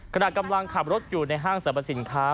ขณะกำลังขับรถอยู่ในห้างสรรพสินค้า